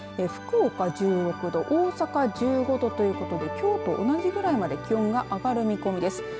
福岡１６度大阪１５度ということできょうと同じぐらいまで気温が上がる見込みです。